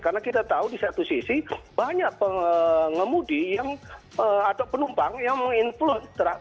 karena kita tahu di satu sisi banyak pengemudi atau penumpang yang meng influen